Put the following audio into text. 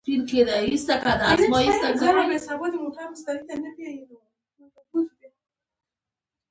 د اتلسمې پېړۍ په وروستیو کې فرانسوي سیاستپوه وو.